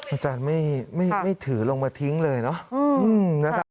อาจารย์ไม่ถือลงมาทิ้งเลยเนอะนะครับ